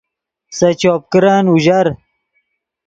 سے چوپ کرن اوژر